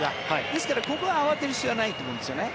ですから、ここは慌てる必要はないと思うんですよね。